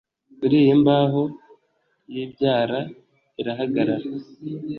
Kuri iyi mbaho yibyara irahagarara